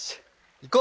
行こう！